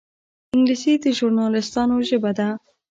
انګلیسي د ژورنالېستانو ژبه ده